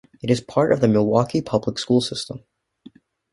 It is a part of the Milwaukee Public Schools system.